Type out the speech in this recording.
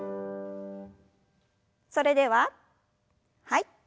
それでははい。